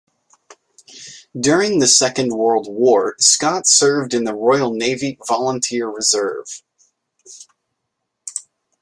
During the Second World War, Scott served in the Royal Navy Volunteer Reserve.